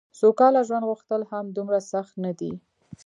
سوکاله ژوند غوښتل هم دومره سخت نه دي.